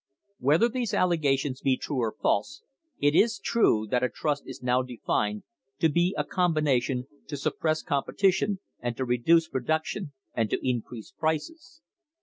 Whether these allegations be true or false, it is true that a trust is now defined to be a combination to suppress competition and to reduce production, and to increase prices.